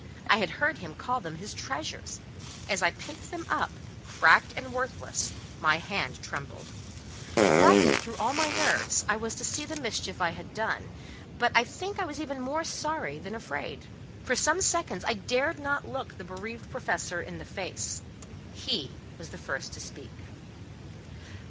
I had heard him call them his treasures: as I picked them up, cracked and worthless, my hand trembled. Frightened through all my nerves I was to see the mischief I had done, but I think I was even more sorry than afraid. For some seconds I dared not look the bereaved Professor in the face; he was the first to speak.